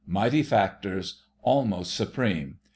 Mighty factors—almost supreme.